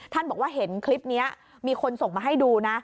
บอกว่าเห็นคลิปนี้มีคนส่งมาให้ดูนะ